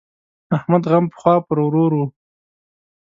احمد غم پخوا پر ورور وو.